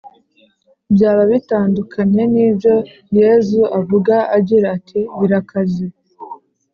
byaba bidatandukanye n’ibyo yezu avuga agira ati birakaze